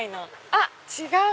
あっ違う！